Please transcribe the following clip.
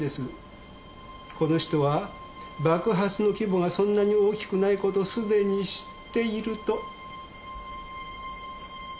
この人は爆発の規模がそんなに大きくないことを既に知っていると。